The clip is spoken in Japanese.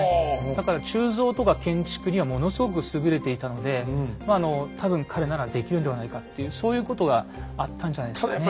だから鋳造とか建築にはものすごく優れていたのでまああの多分彼ならできるんではないかっていうそういうことがあったんじゃないですかね。